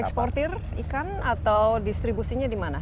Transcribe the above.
eksportir ikan atau distribusinya di mana